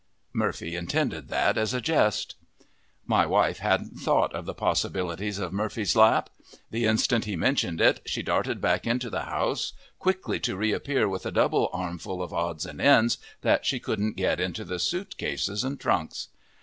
Murphy intended that as a jest. My wife hadn't thought of the possibilities of Murphy's lap. The instant he mentioned it, she darted back into the house, quickly to reappear with a double armful of odds and ends that she couldn't get into the suit cases and trunks.